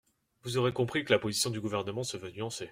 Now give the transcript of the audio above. Vous aurez compris que la position du Gouvernement se veut nuancée.